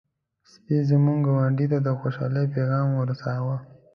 سپي زموږ ګاونډی ته د خوشحالۍ پيغام ورساوه.